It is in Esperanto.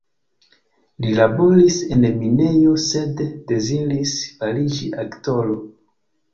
Li laboris en minejo, sed deziris fariĝi aktoro.